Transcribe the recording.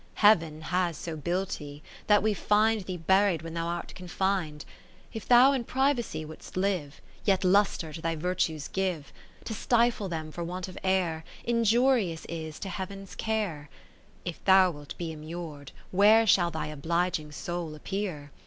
Heaven has so built thee, that we find Thee buried when thou art confin'd : If thou in privacy wouldst live, 21 Yet lustre to thy virtues give ; To stifle them for want of air, Injurious is to Heaven's care. If thou wilt be immured *, where Shall thy obliging soul appear